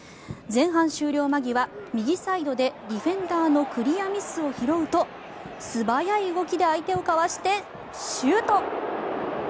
前半終了間際、右サイドでディフェンダーのクリアミスを拾うと素早い動きで相手をかわしてシュート！